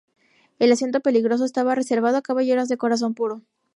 El asiento peligroso estaba reservado a caballeros de corazón puro.